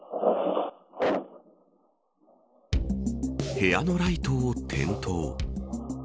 部屋のライトを点灯。